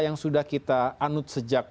yang sudah kita anut sejak